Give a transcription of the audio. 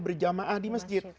berjamaah di masjid